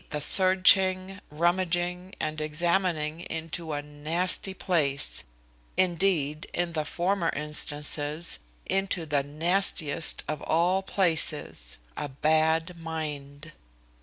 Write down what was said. the searching, rummaging, and examining into a nasty place; indeed, in the former instances, into the nastiest of all places, A BAD MIND.